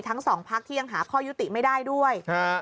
ทั้งสองพักที่ยังหาข้อยุติไม่ได้ด้วย